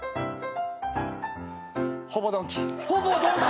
ほぼドンキ。